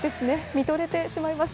見とれてしまいます。